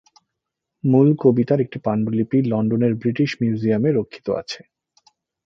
মূল কবিতার একটি পান্ডুলিপি লন্ডনের ব্রিটিশ মিউজিয়ামে রক্ষিত আছে।